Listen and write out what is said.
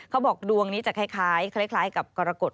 เขาบอกดวงนี้จะคล้ายคล้ายกับกรกฎ